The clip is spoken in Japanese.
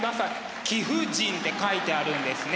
「貴婦人」って書いてあるんですね。